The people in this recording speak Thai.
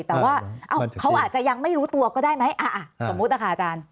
แต่ว่าเขาอาจจะยังไม่รู้ตัวก็ได้ไหมสมมุตินะคะอาจารย์